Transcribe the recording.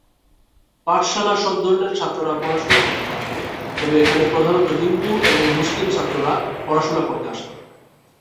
পাঠশালা সব ধরনের ছাত্ররা পড়াশোনা করতে পারত, তবে এখানে প্রধানত হিন্দু এবং মুসলিম ছাত্ররা পড়াশোনা করতে আসত।